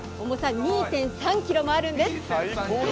重さ２．３キロもあるんです。